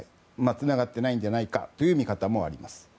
つながっていないのではないかという見方もあります。